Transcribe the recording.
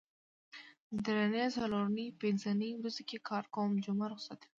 درېنۍ څلورنۍ پینځنۍ ورځو کې کار کوم جمعه روخصت وي